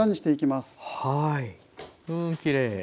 はいうんきれい。